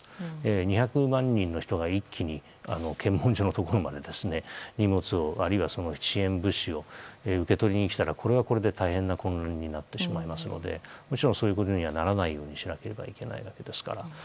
２００万人の人が一気に検問所のところまで荷物、あるいは支援物資を受け取りに来たらこれはこれで大変な混乱になってしまいますのでもちろん、そういうことにはならないようにしなければいけないわけですから。